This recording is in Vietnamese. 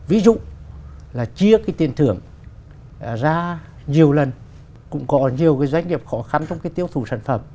ví dụ là chia cái tiền thưởng ra nhiều lần cũng có nhiều cái doanh nghiệp khó khăn trong cái tiêu thụ sản phẩm